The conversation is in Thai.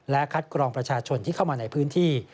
และคัดกรองประชาชนที่เข้ามาในพื้นที่